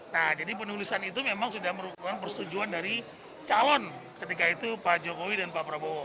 nah jadi penulisan itu memang sudah merupakan persetujuan dari calon ketika itu pak jokowi dan pak prabowo